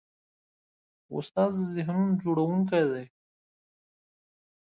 استاد د ذهنونو جوړوونکی دی.